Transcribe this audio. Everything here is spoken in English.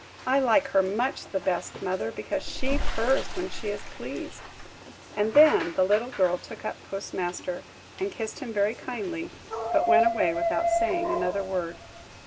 I like her much the best, mother, because she purrs when she is pleased!" And then the little girl took up Puss Master, and kissed him very kindly, but went away without saying another word.